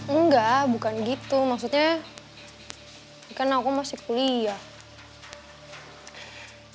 enggak bukan gitu maksudnya kan aku masih kuliah